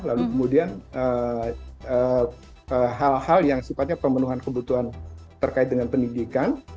lalu kemudian hal hal yang sifatnya pemenuhan kebutuhan terkait dengan pendidikan